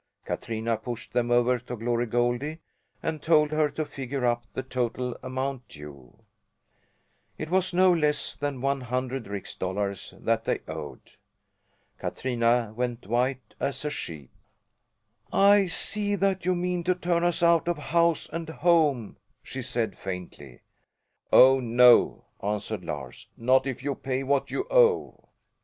Katrina pushed them over to Glory Goldie and told her to figure up the total amount due. It was no less than one hundred rix dollars that they owed! Katrina went white as a sheet. "I see that you mean to turn us out of house and home," she said, faintly. "Oh, no," answered Lars, "not if you pay what you owe."